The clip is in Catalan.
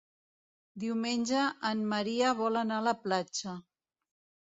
Diumenge en Maria vol anar a la platja.